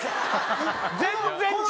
全然違う。